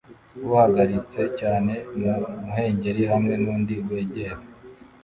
Uhagaritse cyane mu muhengeri hamwe nundi wegera